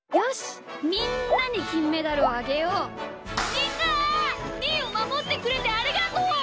みんなみーをまもってくれてありがとう！